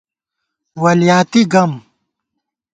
ولیاتی گَم